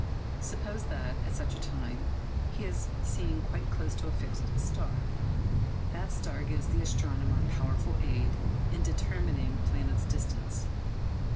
Suppose that, at such a time, he is seen quite close to a fixed star. That star gives the astronomer powerful aid in determining the planet's distance.